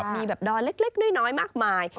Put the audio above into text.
มีแบบดอนเล็กน้อยมากมาย